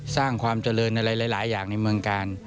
สร้างความเจริญอะไรหลายอย่างในเมืองกาล